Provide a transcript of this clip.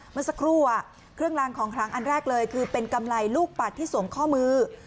เมื่อสักครู่เครื่องลางของคลังอันแรกเลยคือเป็นกำไรลูกปัดที่สวมข้อมือ